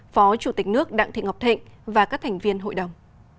phó chủ tịch nước đặng thị ngọc thịnh và các thành viên hội đồng